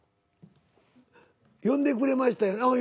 「呼んでくれましたよね！」